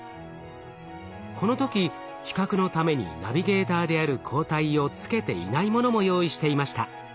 この時比較のためにナビゲーターである抗体をつけていないものも用意していました。